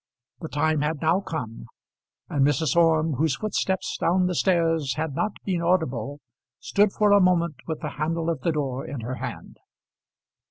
The time had now come, and Mrs. Orme, whose footsteps down the stairs had not been audible, stood for a moment with the handle of the door in her hand.